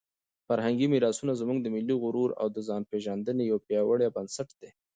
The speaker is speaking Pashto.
فرهنګي میراثونه زموږ د ملي غرور او د ځانپېژندنې یو پیاوړی بنسټ دی.